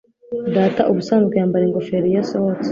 Data ubusanzwe yambara ingofero iyo asohotse.